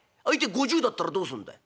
相手５０だったらどうすんだ？」。